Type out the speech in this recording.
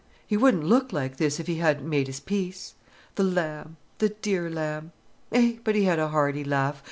He wouldn't look like this if he hadn't made his peace. The lamb, the dear lamb. Eh, but he had a hearty laugh.